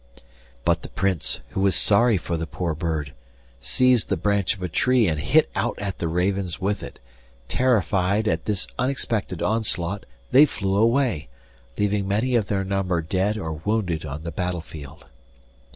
But the Prince, who was sorry for the poor bird, seized the branch of a tree and hit out at the ravens with it; terrified at this unexpected onslaught they flew away, leaving many of their number dead or wounded on the battlefield.